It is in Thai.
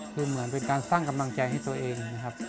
คือเหมือนเป็นการสร้างกำลังใจให้ตัวเองนะครับ